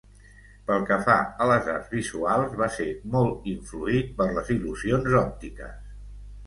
Pel que fa a les arts visuals, va ser molt influït per les il·lusions òptiques.